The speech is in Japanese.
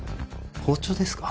包丁ですか？